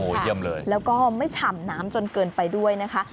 เยี่ยมเลยแล้วก็ไม่ฉ่ำน้ำจนเกินไปด้วยนะคะ